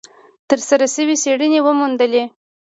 ترسره شوې څېړنې وموندلې،